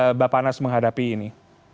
bagaimana bapak nasional harus menghadapi ini